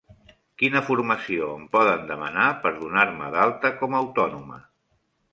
Quina formació em poden demanar per donar-me d'alta com a autònoma?